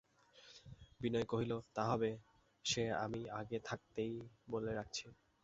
বিনয় কহিল, তা হবে, সে আমি আগে থাকতেই বলে রাখছি।